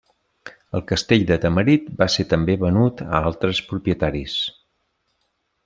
El castell de Tamarit va ser també venut a altres propietaris.